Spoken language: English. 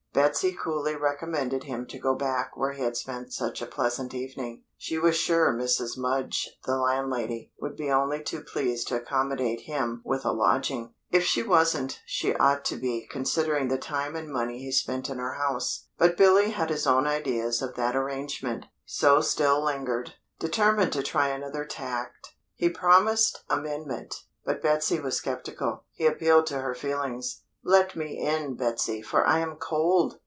Betsy coolly recommended him to go back where he had spent such a pleasant evening. She was sure Mrs. Mudge, the landlady, would be only too pleased to accommodate him with a lodging. If she wasn't, she ought to be, considering the time and money he spent in her house. But Billy had his own ideas of that arrangement, so still lingered, determined to try another tack. He promised amendment, but Betsy was sceptical. He appealed to her feelings. "Let me in, Betsy, for I am cold!"